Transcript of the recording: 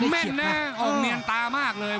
ภูตวรรณสิทธิ์บุญมีน้ำเงิน